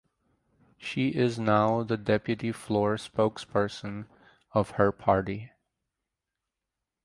She is now the deputy floor spokesperson of her party.